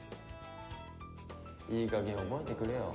いい加減覚えてくれよ。